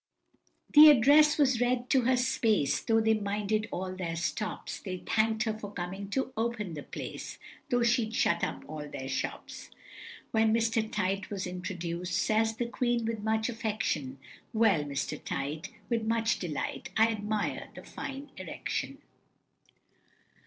The Address was read to her apace, Though they minded all their stops, They thank'd her for coming to open the place, Though she shut up all their shops. When Mr. Tite was introduc'd, Says the Queen, with much affection, "Well, Mr. Tite, with much delight, I admire the fine erection."